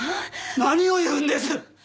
何を言うんです！？